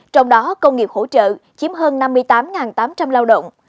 trong đó công nghiệp hỗ trợ chiếm hơn năm mươi tám tám trăm linh lao động